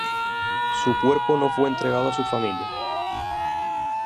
Su cuerpo no fue entregado a su familia.